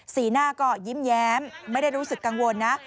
สีหน้าก็ยิ้มแย้มไม่ได้รู้สึกกังวลนะ